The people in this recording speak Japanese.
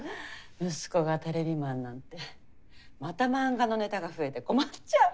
息子がテレビマンなんてまた漫画のネタが増えて困っちゃう。